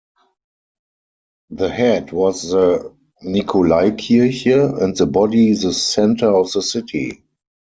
The head was the Nikolaikirche and the body the centre of the city.